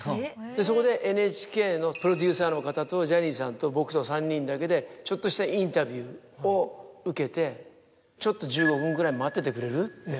でそこでＮＨＫのプロデューサーの方とジャニーさんと僕と３人だけでちょっとしたインタビューを受けて「ちょっと１５分ぐらい待っててくれる？」。